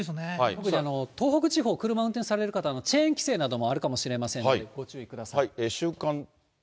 特に東北地方、車運転される方、チェーン規制などもあるかもしれませんので、ご注意ください。